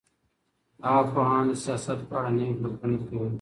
هغه پوهان د سياست په اړه نوي فکرونه کوي.